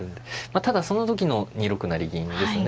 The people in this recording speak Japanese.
ただその時の２六成銀ですね。